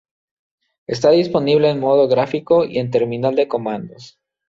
Está disponible en modo gráfico y en terminal de comandos.